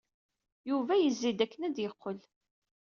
Yuba yezzi-d akken ad d-yeqqel.